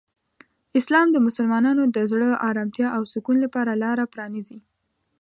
اسلام د مسلمانانو د زړه آرامتیا او سکون لپاره لاره پرانیزي.